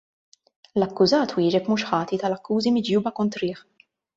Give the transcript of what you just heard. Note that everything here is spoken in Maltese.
L-akkużat wieġeb mhux ħati tal-akkużi miġjuba kontrih.